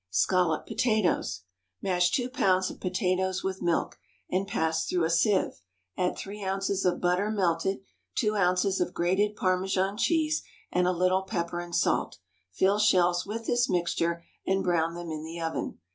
Scalloped Potatoes. Mash two pounds of potatoes with milk, and pass through a sieve; add three ounces of butter melted, two ounces of grated Parmesan cheese, and a little pepper and salt. Fill shells with this mixture, and brown them in the oven.